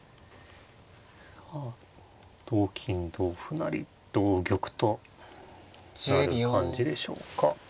さあ同金同歩成同玉となる感じでしょうか。